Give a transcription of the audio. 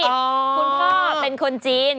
คุณพ่อเป็นคนจีน